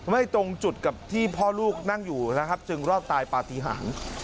ตรงจุดกับที่พ่อลูกนั่งอยู่นะครับจึงรอดตายปฏิหาร